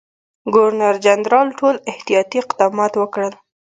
ګورنرجنرال ټول احتیاطي اقدامات وکړل.